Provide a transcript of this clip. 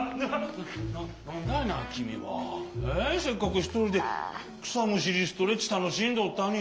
せっかくひとりでくさむしりストレッチたのしんどったに。